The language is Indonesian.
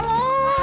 irah kak dio